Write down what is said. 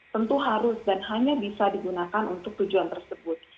tentu harus dan hanya bisa digunakan untuk tujuan tersebut